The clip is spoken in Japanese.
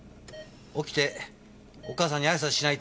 起きてお母さんに挨拶しないと。